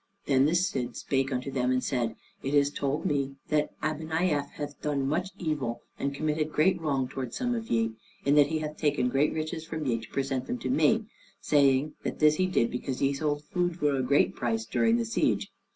Then the Cid spake unto them and said: "It is told me that Abeniaf hath done much evil, and committed great wrong toward some of ye, in that he hath taken great riches from ye to present them to me, saying, that this he did because ye sold food for a great price during the siege.